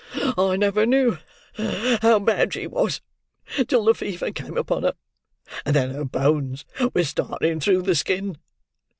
I never knew how bad she was, till the fever came upon her; and then her bones were starting through the skin.